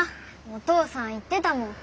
お父さん言ってたもん。